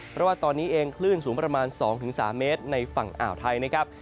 เพราะว่าตอนนี้เองคลื่นสูงประมาณ๒๓เมตรในฝั่งอ่าวไทยนะครับ